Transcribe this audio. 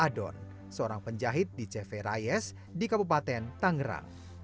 pertama saya merasakan adon seorang penjahit di cv rayes di kabupaten tangerang